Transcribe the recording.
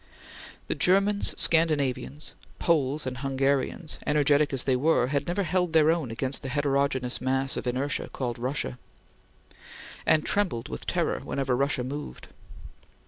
The Germans, Scandinavians, Poles and Hungarians, energetic as they were, had never held their own against the heterogeneous mass of inertia called Russia, and trembled with terror whenever Russia moved.